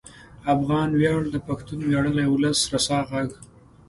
افغان ویاړ د پښتون ویاړلي ولس رسا غږ